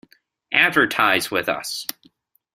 Advertise with us!